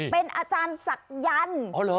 เป็นอาจารย์ศักยันต์